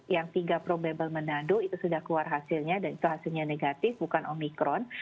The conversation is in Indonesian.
yang tiga probable manado itu sudah keluar hasilnya dan itu hasilnya negatif bukan omikron